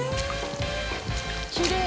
きれい！